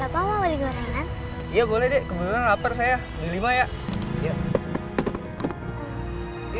mau gorengan ya boleh kebetulan lapar saya beli maya ya hai